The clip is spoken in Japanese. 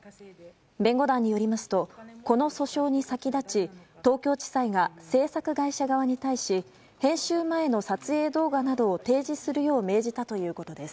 弁護団によりますとこの訴訟に先立ち東京地裁が制作会社側に対し編集前の撮影動画などを提示するよう命じたということです。